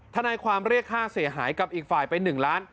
ทนายความเรียกค่าเสียหายกับอีกฝ่ายไป๑ล้าน